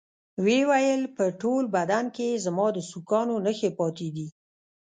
ويې ويل په ټول بدن کښې يې زما د سوکانو نخښې پاتې دي.